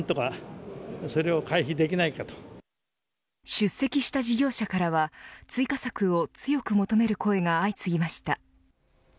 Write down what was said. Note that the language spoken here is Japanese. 出席した事業者からは追加策を強く求める声が相次ぎました。